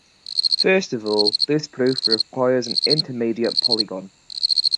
First of all, this proof requires an intermediate polygon.